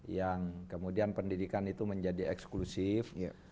yang kemudian pendidikan itu menjadi eksklusif